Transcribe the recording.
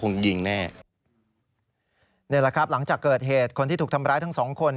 นี่แหละครับหลังจากเกิดเหตุคนที่ถูกทำร้ายทั้งสองคน